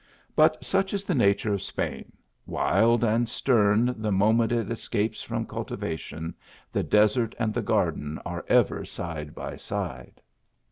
But such is the nature of Spain wild and stern the moment it es capes from cultivation, the desert and the garden arc ever side by side.